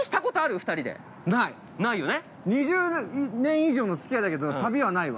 ◆２０年以上のつき合いだけど旅はないわ。